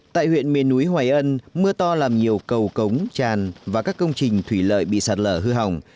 tại huyện miền núi hoài ân mưa to làm nhiều cầu cống tràn và các công trình thủy lợi bị sạt lở hư hỏng